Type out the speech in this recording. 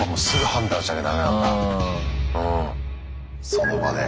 その場で。